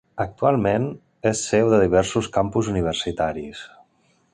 Actualment és seu de diversos campus universitaris.